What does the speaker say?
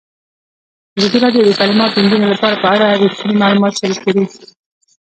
ازادي راډیو د تعلیمات د نجونو لپاره په اړه رښتیني معلومات شریک کړي.